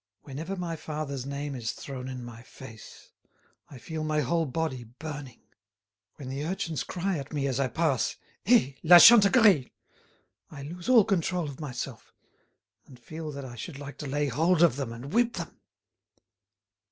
Whenever my father's name is thrown in my face, I feel my whole body burning. When the urchins cry at me as I pass, 'Eh, La Chantegreil,' I lose all control of myself, and feel that I should like to lay hold of them and whip them."